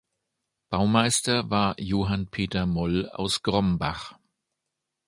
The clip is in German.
Baumeister war Johann Peter Moll aus Grombach.